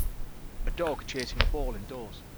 A dog chasing a ball indoors.